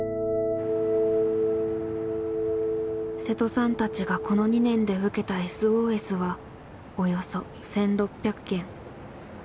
瀬戸さんたちがこの２年で受けたＳＯＳはおよそ１，６００件。